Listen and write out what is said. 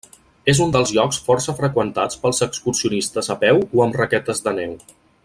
És un dels llocs força freqüentats pels excursionistes a peu o amb raquetes de neu.